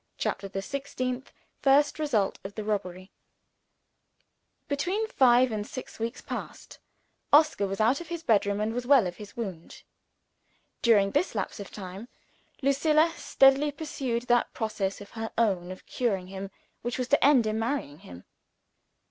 CHAPTER THE SIXTEENTH First Result of the Robbery BETWEEN five and six weeks passed. Oscar was out of his bed room, and was well of his wound. During this lapse of time, Lucilla steadily pursued that process of her own of curing him, which was to end in marrying him.